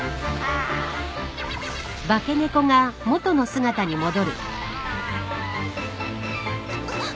あっ！